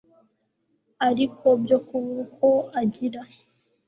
ariko byo kubura uko agira,